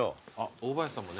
大林さんもね。